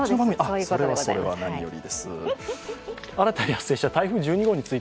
それは何よりです。